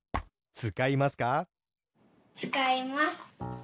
つかいます。